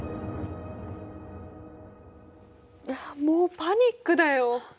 もうパニックだよ。